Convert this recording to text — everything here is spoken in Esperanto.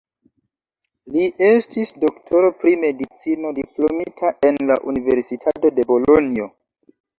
Li estis doktoro pri medicino diplomita en la Universitato de Bolonjo.